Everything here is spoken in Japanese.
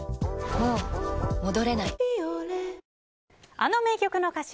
あの名曲の歌詞。